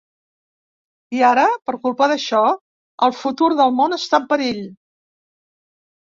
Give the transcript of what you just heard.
I ara, per culpa d'això, el futur del món està en perill.